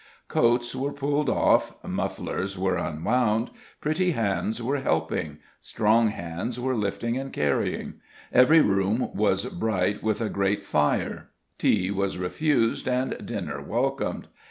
Coats were pulled off; mufflers were unwound; pretty hands were helping; strong hands were lifting and carrying; every room was bright with a great fire; tea was refused, and dinner welcomed.